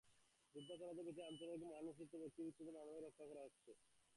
যুদ্ধাপরাধের বিচারে আন্তর্জাতিক মান অনুসৃত হচ্ছে এবং অভিযুক্তদের মানবাধিকার রক্ষা করা হচ্ছে।